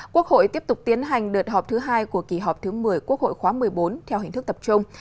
quốc hội tiếp tục tiến hành đợt họp thứ hai của kỳ họp thứ một mươi quốc hội khóa một mươi bốn theo hình thức tập trung